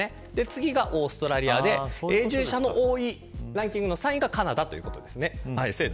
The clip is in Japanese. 次はオーストラリアで永住者の多いランキングの３位がカナダということです。